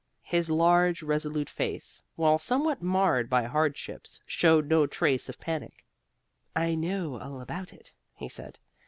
His large, resolute face, while somewhat marred by hardships, showed no trace of panic. "I know all about it," he said.